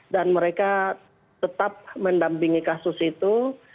dan mereka tetap mendampingi kasus itu